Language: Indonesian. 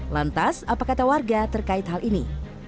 lantas apa kata warga terkait hal ini